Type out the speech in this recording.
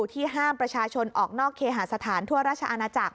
ที่ห้ามประชาชนออกนอกเคหาสถานทั่วราชอาณาจักร